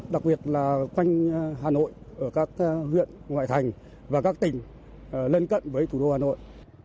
đặc biệt là quanh hà nội ở các huyện ngoại thành và các tỉnh lân cận với thủ đô hà nội